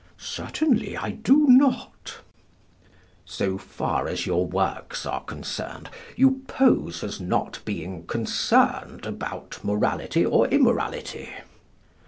Certainly, I do not. So far as your works are concerned you pose as not being concerned about morality or immorality?